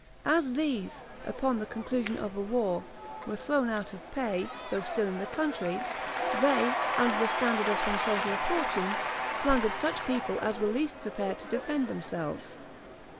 As these, upon the conclusion of a war, were thrown out of pay, though still in the country, they, under the standard of some soldier of fortune, plundered such people as were least prepared to defend themselves.